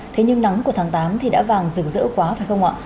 thế nhưng nắng của tháng tám thì đã vàng rực rỡ quá phải không ạ